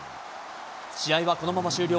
試合はこのまま終了。